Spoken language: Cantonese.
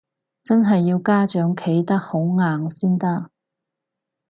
真係要家長企得好硬先得